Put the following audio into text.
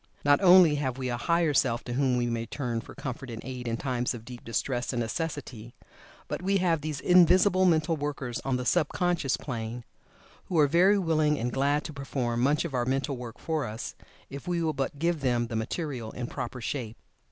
Not only have we a Higher Self to whom we may turn for comfort and aid in times of deep distress and necessity, but we have these invisible mental workers on the sub conscious plane, who are very willing and glad to perform much of our mental work for us, if we will but give them the material in proper shape.